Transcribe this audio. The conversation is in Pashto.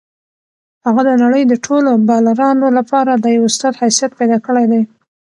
هغه د نړۍ د ټولو بالرانو لپاره د یو استاد حیثیت پیدا کړی دی.